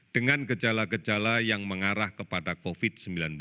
dengan gejala gejala yang mengarah kepada covid sembilan belas